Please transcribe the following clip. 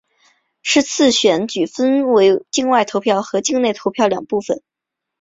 是次选举分为境外投票和境内投票两部分。